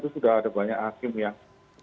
sudah ada banyak hakim yang